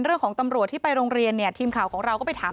ตำรวจที่ไปโรงเรียนเนี่ยทีมข่าวของเราก็ไปถาม